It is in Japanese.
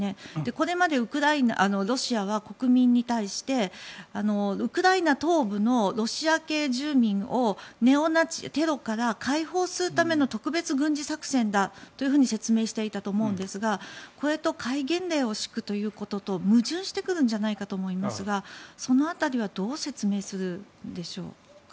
これまでロシアは国民に対してウクライナ東部のロシア系住民をテロから解放するための特別軍事作戦だというふうに説明していたと思うんですがこれと戒厳令を敷くことは矛盾してくるんじゃないかと思うんですが、その辺りはどう説明するんでしょうか。